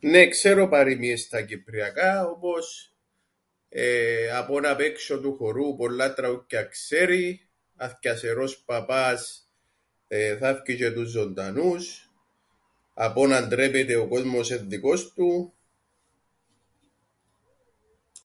Νναι ξέρω παροιμίες στα κυπριακά όπως εεε... απὄ' 'ν απ' έξω του χωρού πολλά τραούθκια ξέρει, αθκειασερός παπάς θάφκει τζ̆αι τους ζωντανούς, απὄ' 'ν αντρέπεται ο κόσμος εν' δικός του.